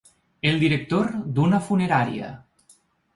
El director d’una funerària.